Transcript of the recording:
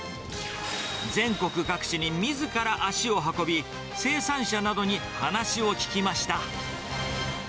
全国各地にみずから足を運び、生産者などに話を聞きました。